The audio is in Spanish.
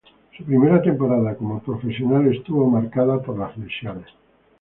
Su primera temporada como profesional estuvo marcada por las lesiones.